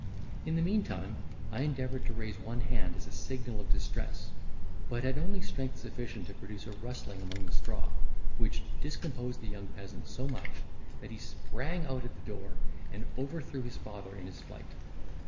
In the meantime I endeavoured to raise one hand as a signal of distress, but had only strength sufficient to produce a rustling among the straw, which discomposed the young peasant so much, that he sprang out at the door, and overthrew his father in his flight.